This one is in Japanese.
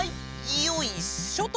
よいしょっと。